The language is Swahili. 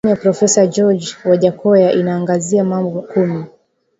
Ilani ya profesa George Wajackoya inaangazia mambo kumi